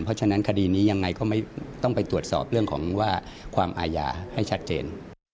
เพราะฉะนั้นคดีนี้ยังไงก็ไม่ต้องไปตรวจสอบเรื่องของว่าความอาญาให้ชัดเจน